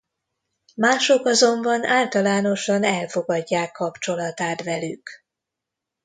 Mások azonban általánosan elfogadják kapcsolatát velük.